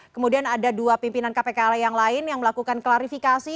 kemudian ada dua pimpinan kpk yang lain yang melakukan klarifikasi